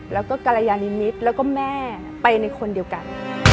แล้วก็กรยานิมิตรแล้วก็แม่ไปในคนเดียวกัน